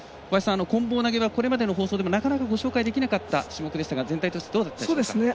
こん棒投げはこれまでの放送でもなかなか、ご紹介できなかった種目でしたが全体としてどうでしたか。